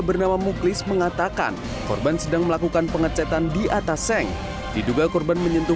bernama muklis mengatakan korban sedang melakukan pengecetan di atas seng diduga korban menyentuh